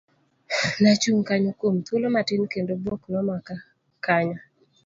Nachung' kanyo kuom thuolo matin, kendo buok nomaka kanyo.